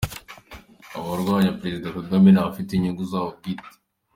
Abarwanya Perezida Kagame ni abafite inyungu zabo bwite